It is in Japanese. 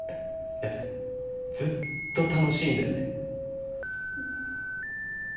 ずっと楽しいんだよね。